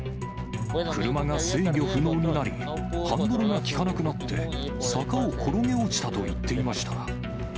車が制御不能になり、ハンドルが利かなくなって、坂を転げ落ちたと言っていました。